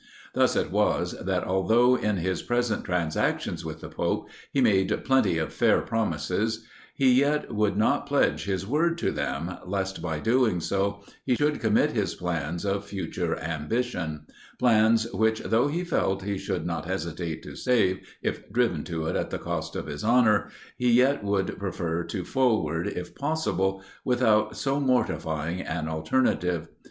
Thus it was that, although in his present transactions with the pope, he made plenty of fair promises, he yet would not pledge his word to them, lest by doing so he should commit his plans of future ambition; plans which, though he felt he should not hesitate to save, if driven to it at the cost of his honor, he yet would prefer to forward, if possible, without so mortifying an alternative.